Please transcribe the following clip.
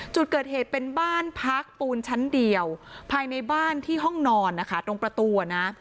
จุดเกิดเหตุเป็นบ้านพักปูนชั้นเดียวภายในบ้านที่ห้องนอนนะคะตรงประตูอ่ะนะ